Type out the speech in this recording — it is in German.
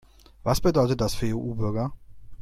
Was bedeutet das für EU-Bürger?